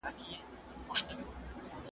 صمیمي یوه ښه اکاډمي ده